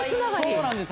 そうなんです。